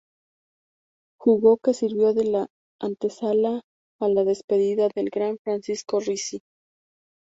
Juego que sirvió de antesala a la despedida del gran Francisco Rizzi.